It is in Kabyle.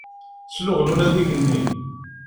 Sluɣen ula d igenni.